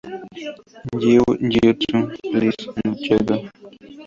Jiu-jitsu Please, Not Judo!